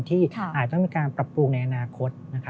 ที่อาจจะต้องมีการปรับปรุงในอนาคต